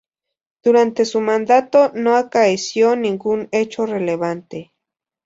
Durante su mandato no acaeció ningún hecho relevante.